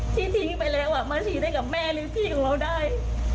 ที่ทิ้งไปแล้วมาฉีดให้กับแม่หรือพี่ของเราได้